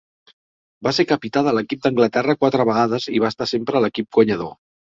Va ser capità de l'equip d'Anglaterra quatre vegades i va estar sempre a l'equip guanyador.